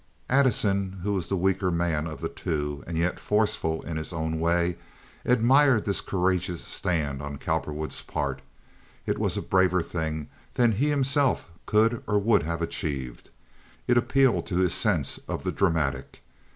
Addison, who was the weaker man of the two and yet forceful in his own way, admired this courageous stand on Cowperwood's part. It was a braver thing than he himself could or would have achieved. It appealed to his sense of the dramatic.